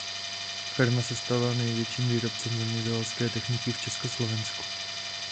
Firma se stala největším výrobcem zemědělské techniky v Československu.